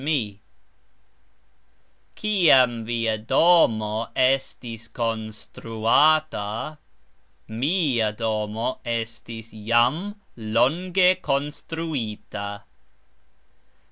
Kiam via domo estis konstruata, mia domo estis jam longe konstruita.